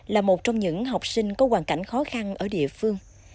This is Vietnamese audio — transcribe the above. là một trong những học sinh có hoàn cảnh khó khăn ở địa phương